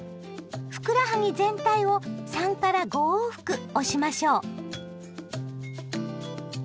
ふくらはぎ全体を３５往復押しましょう。